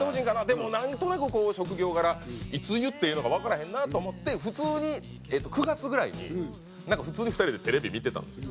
でもなんとなくこう職業柄いつ言ってええのかわからへんなと思って普通に９月ぐらいになんか普通に２人でテレビ見てたんですよ。